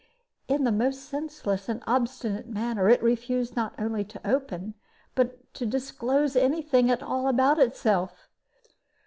In the most senseless and obstinate manner it refused not only to open, but to disclose any thing at all about itself.